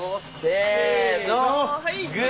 せの！